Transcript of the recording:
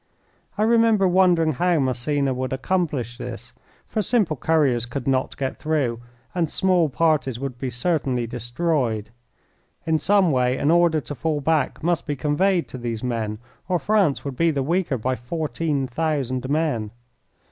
I remember wondering how Massena would accomplish this, for simple couriers could not get through, and small parties would be certainly destroyed. In some way an order to fall back must be conveyed to these men, or France would be the weaker by fourteen thousand men.